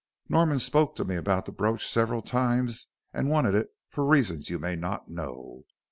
Norman spoke to me about the brooch several times and wanted it for reasons you may not know."